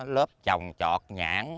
lớp trồng trọt nhãn